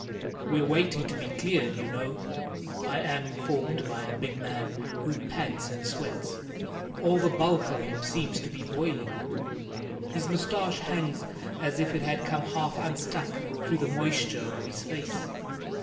"We're waiting to be cleared, you know," I am informed by a big man who pants and sweats all the bulk of him seems to be boiling. His mustache hangs as if it had come half unstuck through the moisture of his face.